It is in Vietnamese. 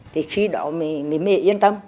thì khi đó mê yên tâm